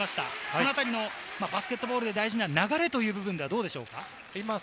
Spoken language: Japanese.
このあたりのバスケットボールで大事な流れではどうでしょうか？